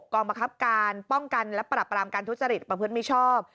กองบังคับการป้องกันและปรับปรามการทุจริตประพฤติมิชชอบ